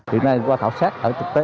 hiện nay qua thảo sát ở trực tế